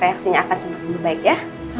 reaksinya akan semakin membaik ya